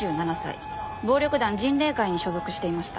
暴力団迅嶺会に所属していました。